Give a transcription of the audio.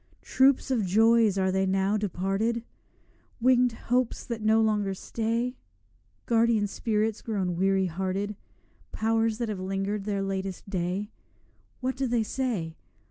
Troops of joys are they, now departed? Winged hopes that no longer stay? Guardian spirits grown weary hearted? Powers that have linger'd their latest day? What do they say?